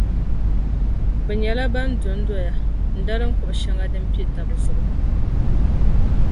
Bɛ nyɛla ban dondoya n-dalim kuɣu shεŋa din pe taba zuɣu.